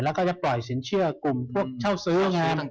แล้วก็จะปล่อยสินเชื่อกลุ่มเช่าซื้อ